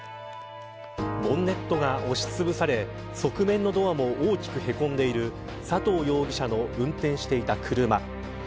ボンネットが押しつぶされ側面のドアも大きくへこんでいる佐藤容疑者の運転していた車。